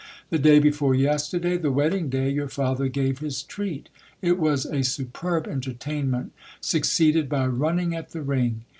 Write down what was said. The day before yesterday, the wedding day, your father gave his treat. It was a superb entertainment, succeeded by running at the ring.